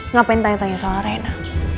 ngapain tanya tanya soal arena